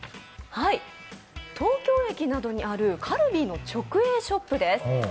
東京駅などにあるカルビーの直営ショップです。